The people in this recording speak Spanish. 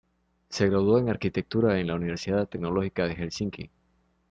Se graduó en arquitectura en la Universidad de Tecnología de Helsinki.